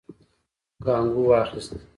کانګو واخيست.